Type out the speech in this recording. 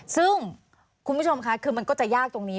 ซึ่งคุณผู้ชมค่ะคือมันก็จะยากตรงนี้